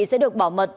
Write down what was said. sẽ được bảo mật